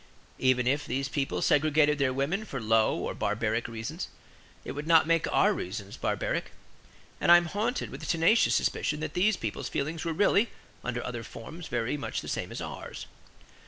Even if these people segregated their women for low or barbaric reasons it would not make our reasons barbaric; and I am haunted with a tenacious suspicion that these people's feelings were really, under other forms, very much the same as ours.